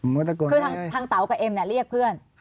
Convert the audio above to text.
ตะโกนคือทางเต๋ากับเอ็มเนี่ยเรียกเพื่อน